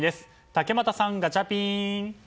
竹俣さん、ガチャピン！